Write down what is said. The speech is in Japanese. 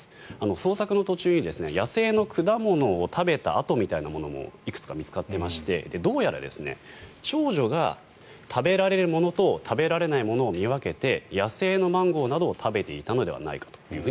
捜索の途中に野生の果物を食べた跡みたいなものもいくつか見つかっていましてどうやら長女が食べられるものと食べられないものを見分けて野生のマンゴーなどを食べていたのではないかと。